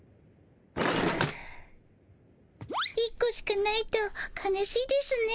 １個しかないと悲しいですね。